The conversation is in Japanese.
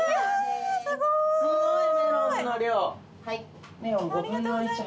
はい。